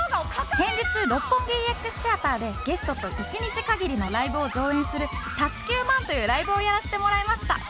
先日六本木 ＥＸ シアターでゲストと１日限りのライブを上演する「＋９００００」というライブをやらせてもらいました